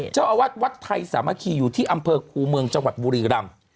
เจ้าอาวาสวัดไทยสามัคคีอยู่ที่อำเภอคูเมืองจังหวัดบุรีรำ